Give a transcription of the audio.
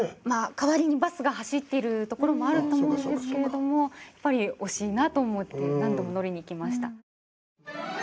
まあ代わりにバスが走っている所もあると思うんですけれどもやっぱり惜しいなと思って何度も乗りに行きました。